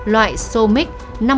loại somic năm mươi